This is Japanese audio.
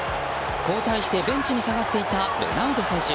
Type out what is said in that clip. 交代してベンチに下がっていたロナウド選手。